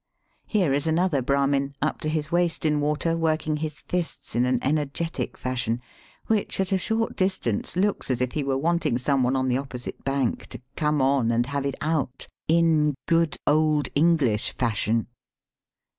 Here is another Brahmin up to his waist in water working his fists in an energetic fashion, which at a short distance looks as if he were wanting some one on the opposite bank to "come on and have it out'* in good old English fashion.